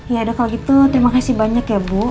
ya udah kalau gitu terima kasih banyak ya bu